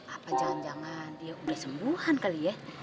apa jangan jangan dia udah sembuhan kali ya